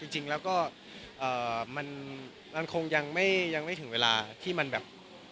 จริงแล้วก็มันคงยังไม่ถึงเวลาที่มันแบบ